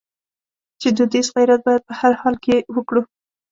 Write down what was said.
چې دودیز غیرت باید په هر حال کې وکړو.